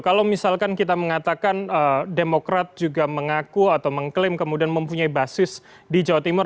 kalau misalkan kita mengatakan demokrat juga mengaku atau mengklaim kemudian mempunyai basis di jawa timur